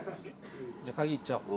じゃあカギいっちゃおう。